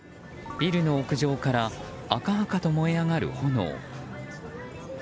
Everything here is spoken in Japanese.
ビルの屋上から赤々と燃える炎。